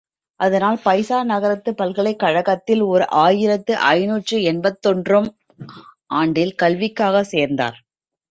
அதனால், பைசா நகரத்துப் பல்கலைக் கழகத்தில் ஓர் ஆயிரத்து ஐநூற்று எண்பத்தொன்று ம் ஆண்டில் கல்விக்காகச் சேர்த்தார்!